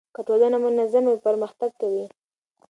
که ټولنه منظمه وي پرمختګ کوي.